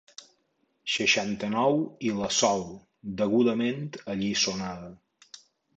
Seixanta-nou i la Sol, degudament alliçonada.